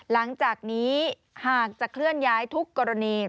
หลังจากนี้หากจะเคลื่อนย้ายทุกกรณี